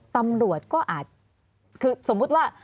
ตำรวจก็อาจคือสมมุติว่า